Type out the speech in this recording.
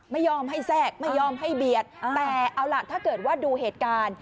ไม่ยอมให้แทรกไม่ยอมให้เบียดแต่เอาล่ะถ้าเกิดว่าดูเหตุการณ์